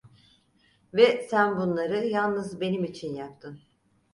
Ve sen bunları yalnız benim için yaptın.